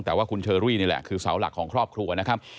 แต่ว่าคุณเชอรี่นี่แหละคือเสาหลักของครอบครัวนะครับ